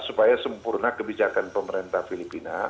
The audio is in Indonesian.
supaya sempurna kebijakan pemerintah filipina